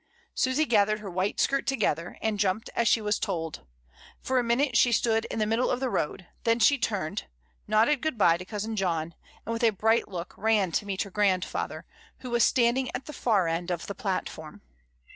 Susy gathered her white skirt together and jumped as she was told; for a minute she stood in the middle of the road, then she turned, nodded good bye to cousin John, and with a bright look ran to meet her grandfather, who was standing at the far end of the platform.